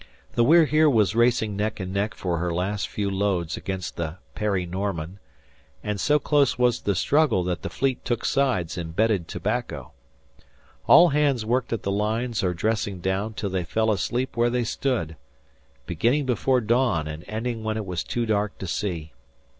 The We're Here was racing neck and neck for her last few loads against the Parry Norman; and so close was the struggle that the Fleet took side and betted tobacco. All hands worked at the lines or dressing down till they fell asleep where they stood beginning before dawn and ending when it was too dark to see.